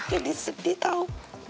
jadi sedih tau